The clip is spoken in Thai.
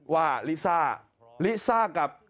ว่าลิซ่ากับ